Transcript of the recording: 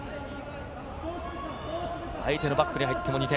相手のバックで入っても２点。